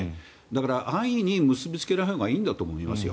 だから安易に結びつけないほうがいいんだと思います。